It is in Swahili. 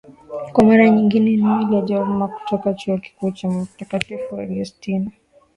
kwa mara nyingine noeli jorma kutoka chuo kikuu cha mtakatifu agustino